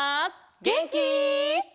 げんき？